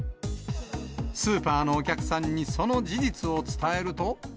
スーパーのお客さんにその事実を伝えると。